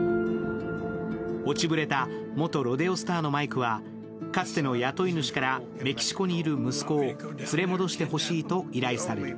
落ちぶれた元ロデオスターのマイクはかつての雇い主からメキシコにいる息子を連れ戻してほしいと依頼される。